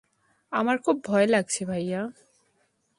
আমার খুব ভয় লাগছে ভাইয়া।